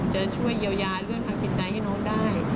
จะช่วยเยียวยาเรื่องทางจิตใจให้น้องได้